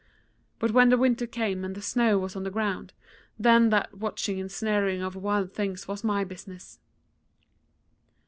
But when the winter came and the snow was on the ground, then that watching and snaring of wild things was my business.